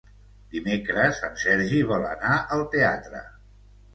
Dimecres en Sergi vol anar al teatre.